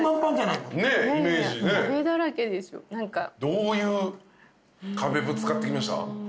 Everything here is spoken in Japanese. どういう壁ぶつかってきました？